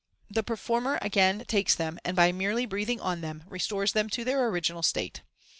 The performer again takes them, and by merely breathing on them, restores them to their original state.